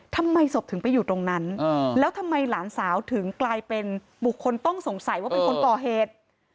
ทำไมศพถึงไปอยู่ตรงนั้นแล้วทำไมหลานสาวถึงกลายเป็นบุคคลต้องสงสัยว่าเป็นคนก่อเหตุ